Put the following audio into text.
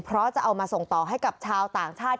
เพราะจะเอามาส่งต่อให้กับชาวต่างชาติ